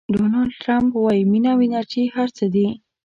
ډونالډ ټرمپ وایي مینه او انرژي هر څه دي.